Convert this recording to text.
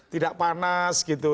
tidak panas gitu